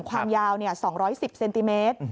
ความยาว๒๑๐เซนติเมตร